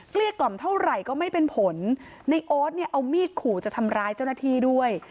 เกลี้กล่อมเท่าไหร่ก็ไม่เป็นผลในโอ๊ตเนี่ยเอามีดขู่จะทำร้ายเจ้าหน้าที่ด้วย